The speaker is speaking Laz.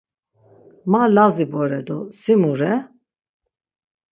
Ma Lazi bore do si mu re?